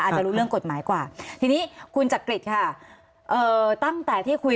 จะรู้เรื่องกฎหมายกว่าทีนี้คุณจักริตค่ะเอ่อตั้งแต่ที่คุย